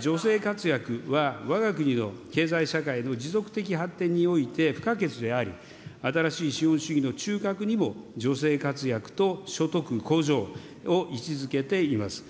女性活躍は、わが国の経済社会の持続的発展において不可欠であり、新しい資本主義の中核にも女性活躍と所得向上を位置づけています。